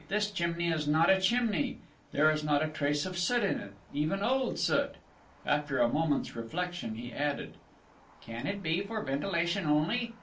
This chimney is not a chimney; there is not a trace of soot on it, even old soot!" After a moment's reflection, he added: "Can it be for ventilation only?